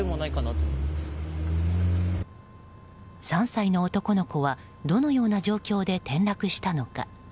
３歳の男の子はどのような状況で転落したのか。